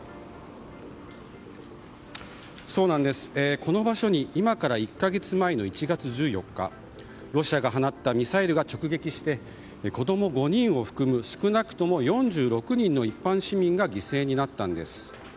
この場所に今から１か月前の１月１４日ロシアが放ったミサイルが直撃して子供５人を含む少なくとも４６人の一般市民が犠牲になったんです。